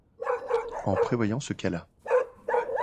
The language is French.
en prévoyant ce cas-là !